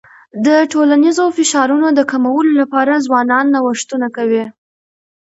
د ټولنیزو فشارونو د کمولو لپاره ځوانان نوښتونه کوي.